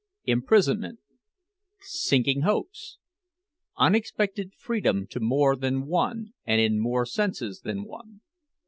IMPRISONMENT SINKING HOPES UNEXPECTED FREEDOM TO MORE THAN ONE, AND IN MORE SENSES THAN ONE.